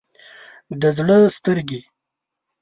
د زړه سترګې